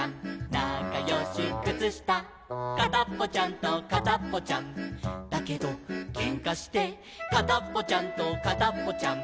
なかよしくつした」「かたっぽちゃんとかたっぽちゃんだけどけんかして」「かたっぽちゃんとかたっぽちゃん」